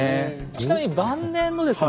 ちなみに晩年のですね